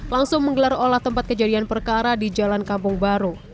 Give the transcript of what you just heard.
langsung menggelar olah tempat kejadian perkara di jalan kampung baru